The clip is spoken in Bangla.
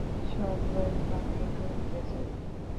সব রোগ বালাই দূর হয়ে যাবে।